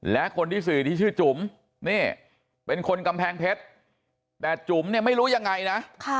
และคนที่๔ที่ชื่อจุ๋มนี่เป็นคนกำแพงเพชรแต่จุ๋มเนี่ยไม่รู้ยังไงนะ